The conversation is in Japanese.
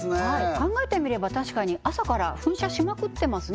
考えてみれば確かに朝から噴射しまくってますね